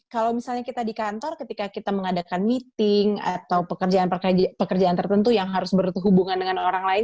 kalau misalnya kita di kantor ketika kita mengadakan meeting atau pekerjaan pekerjaan tertentu yang harus berhubungan dengan orang lain